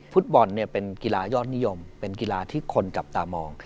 ฟุตบอลเป็นกีฬายอดนิยมเป็นกีฬาที่คนจับตามอง